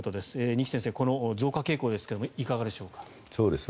二木先生、この増加傾向ですがいかがでしょうか。